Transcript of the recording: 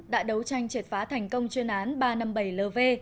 đã đấu tranh triệt phá thành công chuyên án ba trăm năm mươi bảy lv